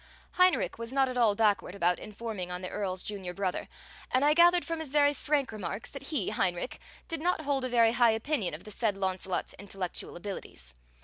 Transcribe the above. Heinrich was not at all backward about informing on the Earl's junior brother, and I gathered from his very frank remarks that he, Heinrich, did not hold a very high opinion of the said Launcelot's intellectual abilities.